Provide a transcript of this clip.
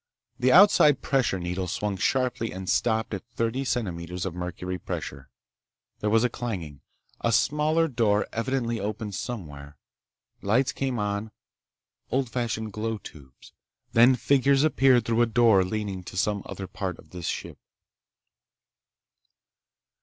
The outside pressure needle swung sharply and stopped at thirty centimeters of mercury pressure. There was a clanging. A smaller door evidently opened somewhere. Lights came on—old fashioned glow tubes. Then figures appeared through a door leading to some other part of this ship.